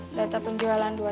ini yang mas diri minta